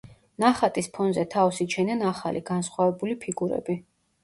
ნახატის ფონზე თავს იჩენენ ახალი, განსხვავებული ფიგურები.